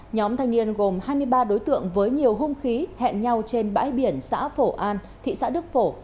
nhóm thanh niên gồm hai mươi ba đối tượng với nhiều hung khí hẹn nhau trên bãi biển xã phổ an thị xã đức phổ